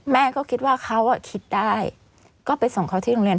แม่ก็คิดว่าเขาคิดได้ก็ไปส่งเขาที่โรงเรียน